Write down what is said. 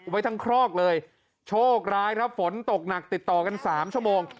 ไว้ทั้งครอกเลยโชคร้ายครับฝนตกหนักติดต่อกันสามชั่วโมง